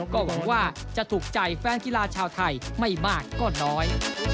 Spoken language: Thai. ก็หวังว่าจะถูกใจแฟนกีฬาชาวไทยไม่มากก็น้อย